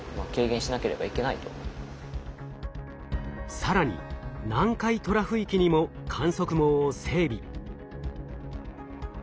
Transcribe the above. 更に南海トラフ域にも観測網を整備。